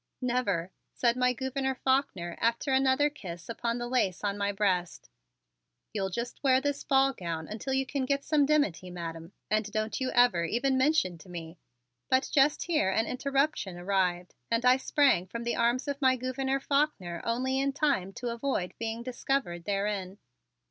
"Never," said my Gouverneur Faulkner after another kiss upon the lace on my breast. "You'll just wear this ball gown until you can get some dimity, Madam, and don't you ever even mention to me " But just here an interruption arrived, and I sprang from the arms of my Gouverneur Faulkner only in time to avoid being discovered therein.